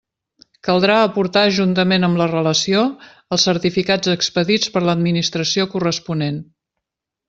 Caldrà aportar juntament amb la relació, els certificats expedits per l'Administració corresponent.